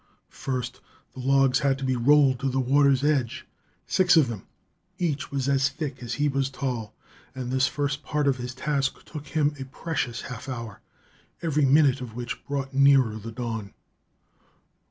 First the logs had to be rolled to the water's edge, six of them. Each was as thick as he was tall, and this first part of his task took him a precious half hour, every minute of which brought nearer the dawn.